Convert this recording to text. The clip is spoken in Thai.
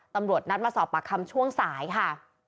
ตำรวจนัดมาสอบปากคำช่วงสายค่ะ